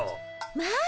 まあ！